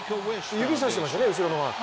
指さしていましたね、後ろのファン。